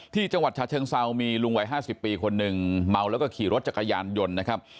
ที่จังหวัดฉะเชิงเซามีลุงวัย๕๐ปีคนหนึ่งเมาแล้วก็ขี่รถจักรยานยนต์นะครับ